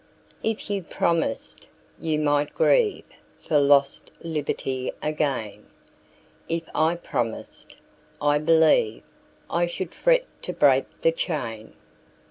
If you promised, you might grieveFor lost liberty again:If I promised, I believeI should fret to break the chain.